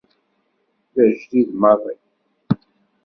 D ajdid maḍi.